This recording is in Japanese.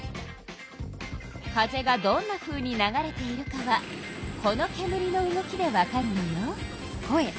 風がどんなふうに流れているかはこのけむりの動きでわかるのよ。